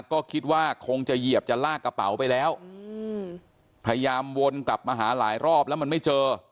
ก็คิดว่าคงจะเหยียบจะลากกระเป๋าไปแล้วพยายามวนกลับมาหาหลายรอบแล้วมันไม่เจอ